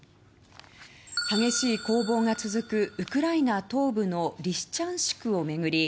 激しい攻防が続くウクライナ東部のリシチャンシクを巡り